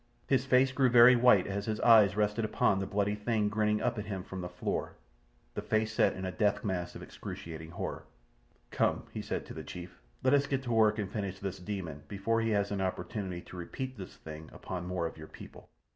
His face grew very white as his eyes rested upon the bloody thing grinning up at him from the floor, the face set in a death mask of excruciating horror. "Come!" he said to the chief. "Let us get to work and finish this demon before he has an opportunity to repeat this thing upon more of your people."